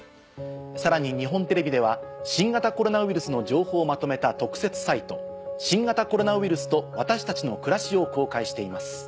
さらに日本テレビでは新型コロナウイルスの情報をまとめた。を公開しています。